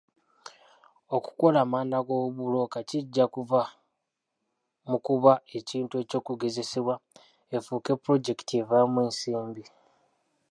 Okukola amanda g'obubulooka kijja kuva mu kuba ekintu eky'okugezesebwa efuuke pulojekiti evaamu ensimbi.